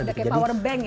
kayak power bank ya